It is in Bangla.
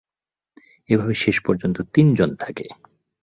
এভাবে শেষ পর্যন্ত তিনজন থাকে।